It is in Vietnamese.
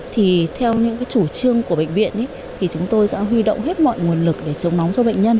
thì theo những chủ trương của bệnh viện thì chúng tôi sẽ huy động hết mọi nguồn lực để chống nóng cho bệnh nhân